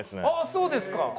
あっそうですか？